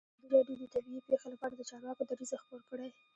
ازادي راډیو د طبیعي پېښې لپاره د چارواکو دریځ خپور کړی.